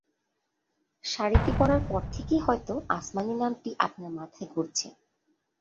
শাড়িটি পরার পর থেকেই হয়তো আসমানি নামটি আপনার মাথায় ঘুরছে।